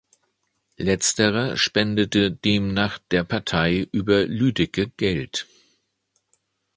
Letzterer spendete demnach der Partei über Lüdecke Geld.